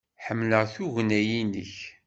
Ḥemmleɣ tugna-nnek.